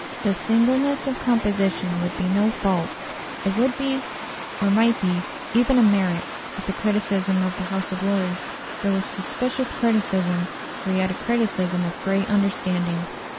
This singleness of composition would be no fault; it would be, or might be, even a merit, if the criticism of the House of Lords, though a suspicious criticism, were yet a criticism of great understanding.